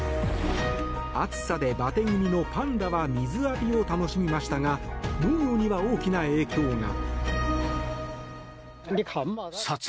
暑さでバテ気味のパンダは水浴びを楽しみましたが農業には大きな影響が。